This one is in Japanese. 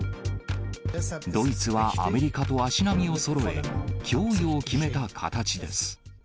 ドイツはアメリカと足並みをそろえ、供与を決めた形です。